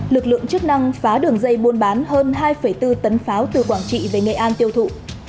lực lượng chức năng phá đường dây buôn bán hơn hai bốn tấn pháo từ quảng trị về nghệ an tiêu thụ